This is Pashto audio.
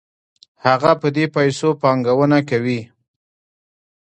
هغه په دې پیسو پانګونه کوي